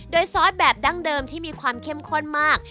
โดยซอสแบบดั้งเดิมที่มีความเข้มข้นมาก